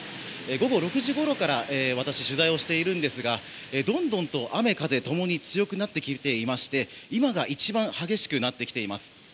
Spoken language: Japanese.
午後６時ごろから私、取材をしているんですがどんどんと雨風共に強くなってきていまして今が一番激しくなってきています。